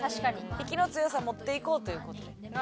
引きの強さ持っていこうという事で。